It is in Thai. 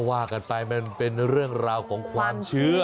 ว่ากันไปมันเป็นเรื่องราวของความเชื่อ